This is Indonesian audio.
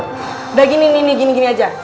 udah gini gini aja